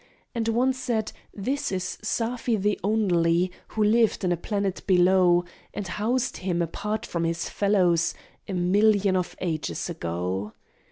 And one said, "This is Safi the Only, Who lived in a planet below, And housed him apart from his fellows, A million of ages ago.